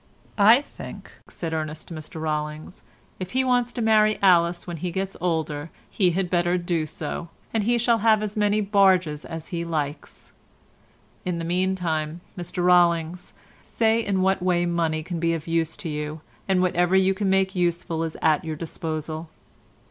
"I think," said Ernest to Mr Rollings, "if he wants to marry Alice when he gets older he had better do so, and he shall have as many barges as he likes. In the meantime, Mr Rollings, say in what way money can be of use to you, and whatever you can make useful is at your disposal."